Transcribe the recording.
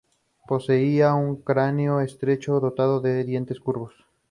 Poseía un cráneo estrecho dotado de dientes curvos.